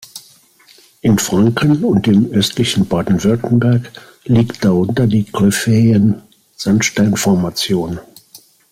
In Franken und im östlichen Baden-Württemberg liegt darunter die Gryphaeensandstein-Formation.